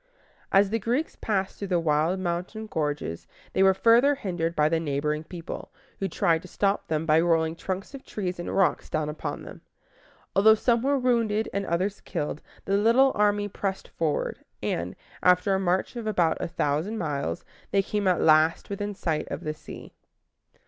As the Greeks passed through the wild mountain gorges, they were further hindered by the neighboring people, who tried to stop them by rolling trunks of trees and rocks down upon them. Although some were wounded and others killed, the little army pressed forward, and, after a march of about a thousand miles, they came at last within sight of the sea.